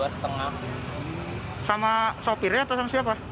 sama sopirnya atau sama siapa